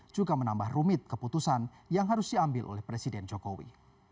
juga menambah rumit keputusan yang harus diambil oleh presiden jokowi